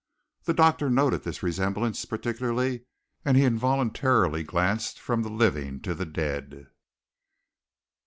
The doctor noted this resemblance particularly, and he involuntarily glanced from the living to the dead.